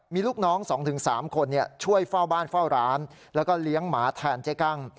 มีลูกน้อง๒๓คนช่วยเฝ้าบ้านเฝ้าร้านแล้วก็เลี้ยงหมาแทนเจ๊กั้ง